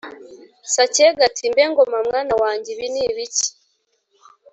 Sacyega ati « mbe Ngoma mwana wanjye, ibi ni ibiki? "